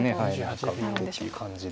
何か抜いてっていう感じで。